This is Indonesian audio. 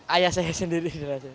ayah saya sendiri